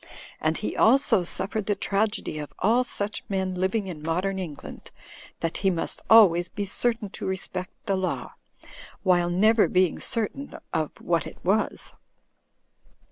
And he also suffered the tragedy of all such men living in modern England; that he must always be certain to respect the law, while never being certain of what it was.